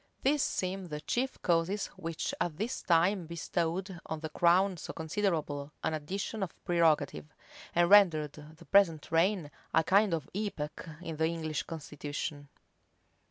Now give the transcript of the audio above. These seem the chief causes which at this time bestowed on the crown so considerable an addition of prerogative, and rendered the present reign a kind of epoch in the English constitution.